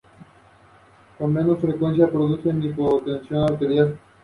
Con menos frecuencia producen hipotensión arterial.